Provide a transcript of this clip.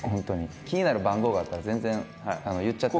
気になる番号があったら全然言っちゃって。